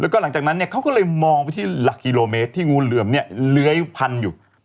แล้วก็หลังจากนั้นเนี่ยเขาก็เลยมองไปที่หลักกิโลเมตรที่งูเหลือมเนี่ยเลื้อยพันอยู่